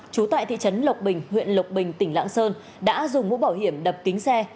trú tại thị trấn lộc bình huyện lộc bình tỉnh lạng sơn đã dùng mũ bảo hiểm đập kính xe